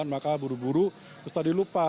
maka buru buru terus tadi lupa